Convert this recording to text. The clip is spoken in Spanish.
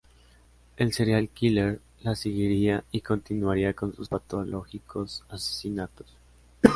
El serial-killer las seguirá y continuará con sus patológicos asesinatos.